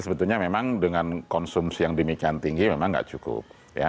sebetulnya memang dengan konsumsi yang demikian tinggi memang tidak cukup